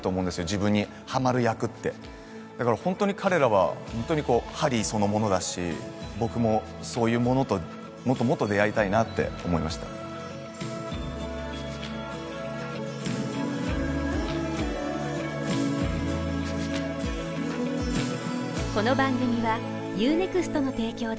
自分にハマる役ってだから本当に彼らは本当にこうハリーそのものだし僕もそういうものともっともっと出会いたいなって思いましたお？